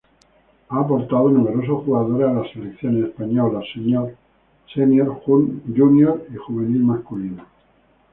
Ha aportado numerosos jugadores a las selecciones españolas señor, junior y juvenil masculina.